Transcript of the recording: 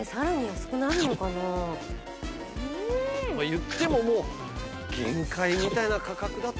言ってももう限界みたいな価格だと思うけどね。